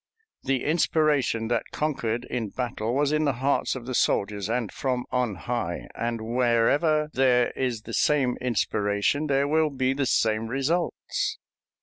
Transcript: The inspiration that conquered in battle was in the hearts of the soldiers and from on high; and wherever there is the same inspiration there will be the same results."